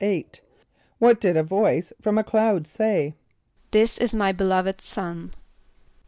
= =8.= What did a voice from a cloud say? ="This is my beloved Son."